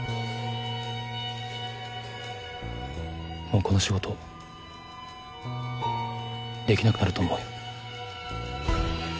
もうこの仕事できなくなると思うよ。